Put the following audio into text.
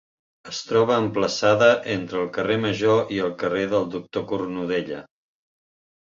Es troba emplaçada entre el carrer Major i el carrer del Doctor Cornudella.